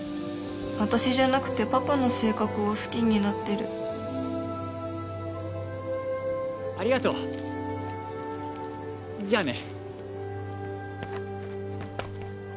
私じゃなくてパパの性格を好きになってるありがとうじゃあね